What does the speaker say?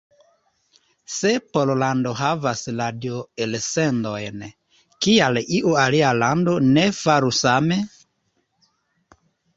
Se Pollando havas radio-elsendojn, kial iu alia lando ne faru same?